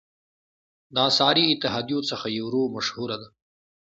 د اسعاري اتحادیو څخه یورو مشهوره ده.